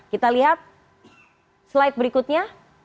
kita lihat slide berikutnya